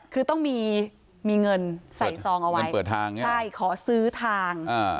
คือต้องมีมีเงินใส่ซองเอาไว้มันเปิดทางใช่ขอซื้อทางอ่า